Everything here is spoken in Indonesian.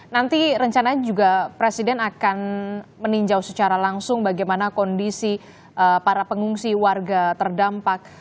nanti rencananya juga presiden akan meninjau secara langsung bagaimana kondisi para pengungsi warga terdampak